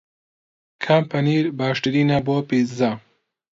کام پەنیر باشترینە بۆ پیتزا؟